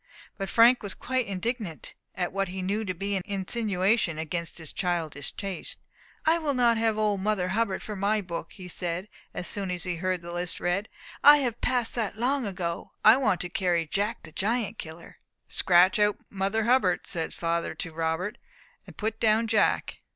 But Frank was quite indignant at what he knew to be an insinuation against his childish taste. "I will not have old Mother Hubbard for my book," he said, as soon as he heard the list read. "I have passed that long ago; I wanted to carry Jack the Giant Killer." "Scratch out Mother Hubbard," said his father to Robert, "and put down Jack.